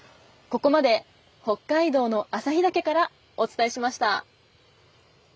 ここまで北海道の旭岳からお伝えしました。